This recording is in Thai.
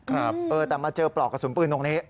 เออแต่มาเจอปลอกกระสุนปืนตรงนี้